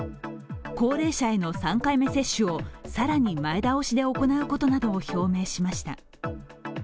高齢者への３回目接種を更に前倒しで行うことなどを表明しました。